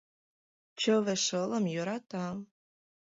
Чыве шылым йӧрата.